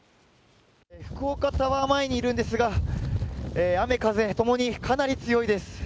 福岡タワー前にいるんですが、雨風ともにかなり強いです。